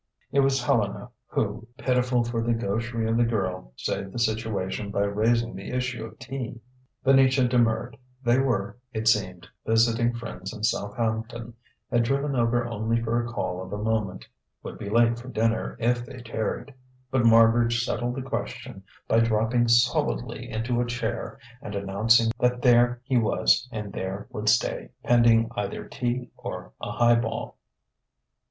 It was Helena who, pitiful for the gaucherie of the girl, saved the situation by raising the issue of tea. Venetia demurred: they were, it seemed, visiting friends in Southampton; had driven over only for a call of a moment; would be late for dinner if they tarried. But Marbridge settled the question by dropping solidly into a chair and announcing that there he was and there would stay pending either tea or a highball.